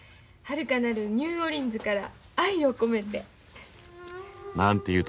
はるかなるニューオーリンズから愛をこめて」。